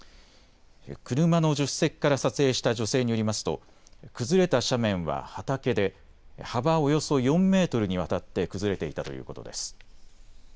車の助手席から撮影した女性によりますと崩れた斜面は畑で、幅およそ４メートルにわたって崩れていたということです。